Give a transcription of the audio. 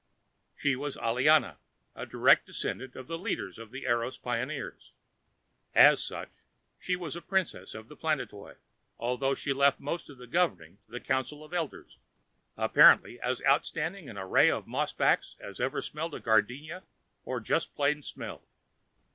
She was Aliana, a direct descendant of the leader of the Eros pioneers. As such, she was princess of the planetoid, although she left most of the governing to a council of elders, apparently as outstanding an array of mossbacks as ever smelled a gardenia or just plain smelled.